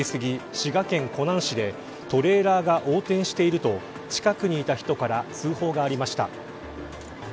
滋賀県湖南市でトレーラーが横転していると近くにいた人から通報がありました。